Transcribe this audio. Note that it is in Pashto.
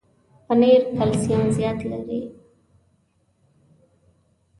پنېر کلسیم زیات لري.